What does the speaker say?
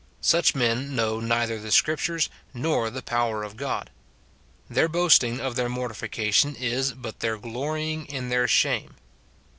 Such men know neither the Scriptures nor the power of God. Their boasting of their mortification is but their glorying in their shame.